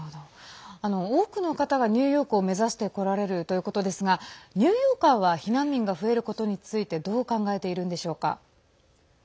多くの方がニューヨークを目指してこられるということですがニューヨーカーは避難民が増えることについてどう考えているんでしょうか？